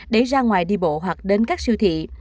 để ra ngoài đi bộ hoặc đến các siêu thị